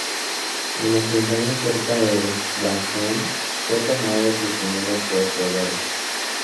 En las montañas cerca de Elbasan, fue tomado prisionero por Teodoro.